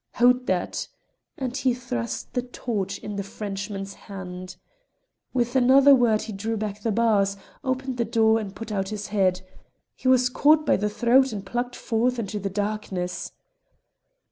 "Haud that," and he thrust the torch in the Frenchman's hand. Without another word he drew back the bars, opened the door, and put out his head. He was caught by the throat and plucked forth into the darkness.